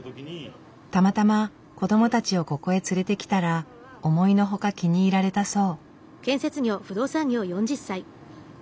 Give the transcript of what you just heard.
たまたま子どもたちをここへ連れてきたら思いのほか気に入られたそう。